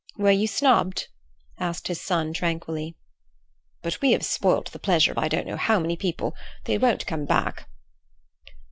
"Were you snubbed?" asked his son tranquilly. "But we have spoilt the pleasure of I don't know how many people. They won't come back."